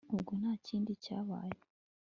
ubwo ntakindi cyabaye